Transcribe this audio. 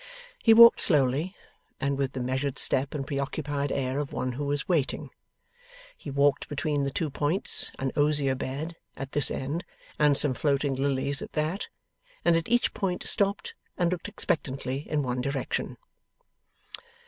He walked slowly, and with the measured step and preoccupied air of one who was waiting. He walked between the two points, an osier bed at this end and some floating lilies at that, and at each point stopped and looked expectantly in one direction.